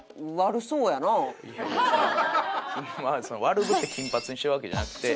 悪ぶって金髪にしてるわけじゃなくて。